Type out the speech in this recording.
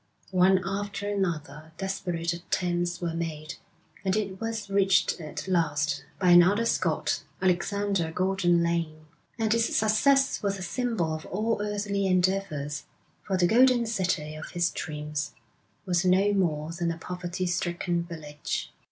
One after another desperate attempts were made, and it was reached at last by another Scot, Alexander Gordon Laing. And his success was a symbol of all earthly endeavours, for the golden city of his dreams was no more than a poverty stricken village.